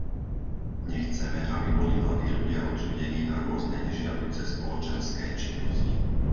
Nechceme, aby boli mladí ľudia odsúdení na rôzne nežiaduce spoločenské činnosti.